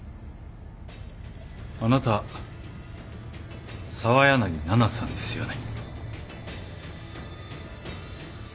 あなた澤柳菜々さんですよね？